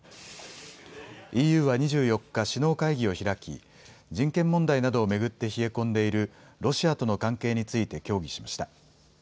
ＥＵは２４日、首脳会議を開き人権問題などを巡って冷え込んでいるロシアとの関係について協議しました。